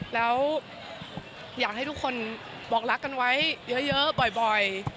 แล้วอยากให้ทุกคนบอกรักกันไว้เยอะบ่อย